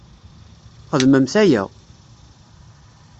Xedmemt aya!